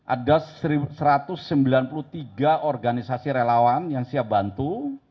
ada satu ratus sembilan puluh tiga organisasi relawan yang siap bantu